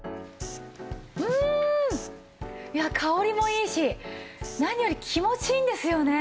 うんいや香りもいいし何より気持ちいいんですよね。